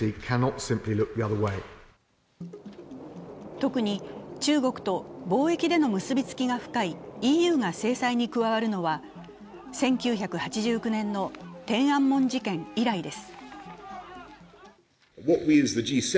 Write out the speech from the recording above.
特に中国と貿易での結びつきが深いＥＵが制裁に加わるのは、１９８９年の天安門事件以来です。